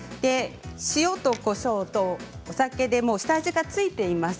塩とこしょうと、お酒でもう下味が付いています。